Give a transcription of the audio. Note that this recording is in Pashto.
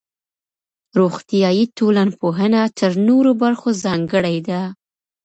روغتيائي ټولنپوهنه تر نورو برخو ځانګړې ده.